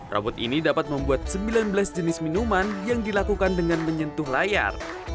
rambut ini dapat membuat sembilan belas jenis minuman yang dilakukan dengan menyentuh layar